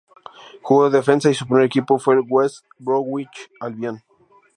Jugó de defensa y su primer equipo fue el West Bromwich Albion.